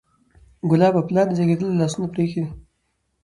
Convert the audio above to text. کلابه! پلار دې رېږدېدلي لاسونه پرېښود